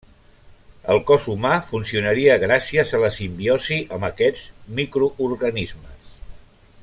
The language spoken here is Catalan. El cos humà funcionaria gràcies a la simbiosi amb aquests microorganismes.